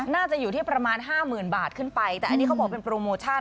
น่าจะอยู่ที่ประมาณห้าหมื่นบาทขึ้นไปแต่อันนี้เขาบอกเป็นโปรโมชั่น